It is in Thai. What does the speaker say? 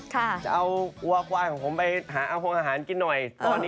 จะเอาหัวควายของผมไปห้างห้องกินหน่อย